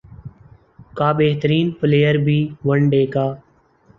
کا بہترین پلئیر بھی ون ڈے کا